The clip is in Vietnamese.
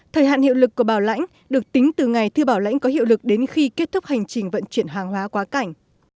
thời hạn hiệu lực của bảo lãnh được tính từ ngày thư bảo lãnh có hiệu lực đến khi kết thúc hành trình vận chuyển hàng hóa quá cảnh